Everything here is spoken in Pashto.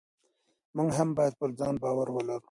موږ هم باید پر ځان باور ولرو.